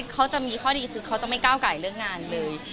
เขาจะมีข้อดีคือเขาจะไม่ก้าวไก่เรื่องงานเลย